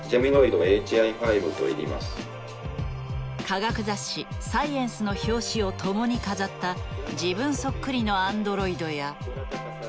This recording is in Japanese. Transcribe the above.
科学雑誌「Ｓｃｉｅｎｃｅ」の表紙を共に飾った自分そっくりのアンドロイドや。